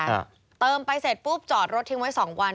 ฮะเติมไปเสร็จปุ๊บจอดรถทิ้งไว้สองวัน